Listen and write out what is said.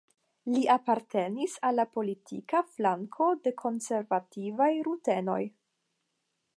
Li apartenis al la politika flanko de konservativaj rutenoj.